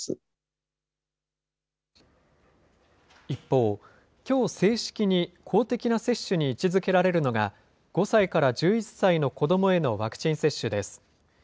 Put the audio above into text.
一方、きょう正式に公的な接種に位置づけられるのが、５歳から１１歳の子どもへのワクチン接種です。